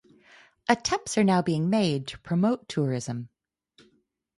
Attempts are now being made to promote tourism.